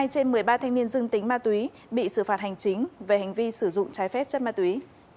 một mươi trên một mươi ba thanh niên dương tính ma túy bị xử phạt hành chính về hành vi sử dụng trái phép chất ma túy